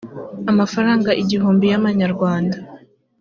amafaranga igihumbi y amanyarwanda